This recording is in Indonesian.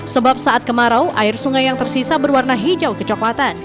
sebab saat kemarau air sungai yang tersisa berwarna hijau kecoklatan